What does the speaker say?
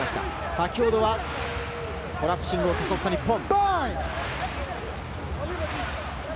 先ほどはコラプシングを誘った日本。